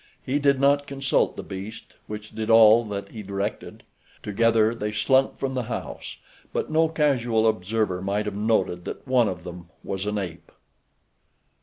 He did not consult the beast, which did all that he directed. Together they slunk from the house, but no casual observer might have noted that one of them was an ape.